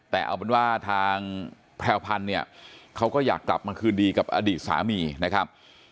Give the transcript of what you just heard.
แต่เอาเป็นว่าทางแพรวพันธ์เนี่ยเขาก็อยากกลับมาคืนดีกับอดีตสามีนะครับ